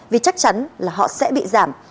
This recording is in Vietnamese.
vì chắc chắn là họ sẽ bị giảm